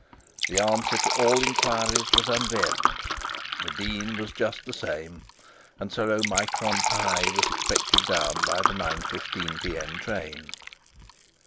The answer to all inquiries was unvaried. The dean was just the same; and Sir Omicron Pie was expected there by the 9.15pm train.